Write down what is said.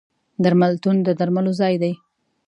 درملتون د درملو ځای دی.